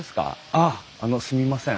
あああのすみません。